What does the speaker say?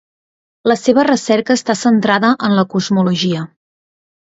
La seva recerca està centrada en la cosmologia.